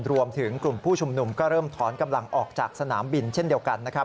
รวมถึงกลุ่มผู้ชุมนุมก็เริ่มถอนกำลังออกจากสนามบินเช่นเดียวกันนะครับ